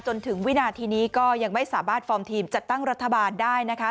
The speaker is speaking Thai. จนถึงวินาทีนี้ก็ยังไม่สามารถฟอร์มทีมจัดตั้งรัฐบาลได้นะคะ